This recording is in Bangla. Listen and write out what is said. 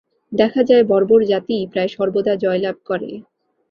দেখা যায়, বর্বর জাতিই প্রায় সর্বদা জয়লাভ করে।